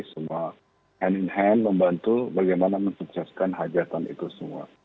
semua hand in hand membantu bagaimana mensukseskan hajatan itu semua